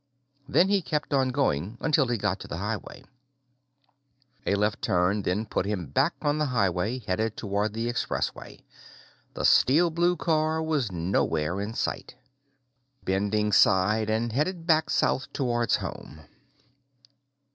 Then he kept on going until he got to the highway. A left turn put him back on the highway, headed toward the Expressway. The steel blue car was nowhere in sight. Bending sighed and headed back south towards home.